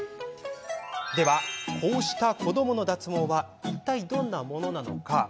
ではこうした子どもの脱毛はいったい、どんなものなのか。